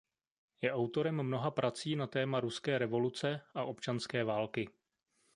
Je autorem mnoha prací na téma ruské revoluce a občanské války.